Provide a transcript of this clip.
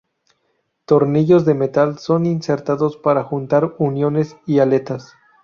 Tornillos de metal son insertados para juntar uniones y aletas.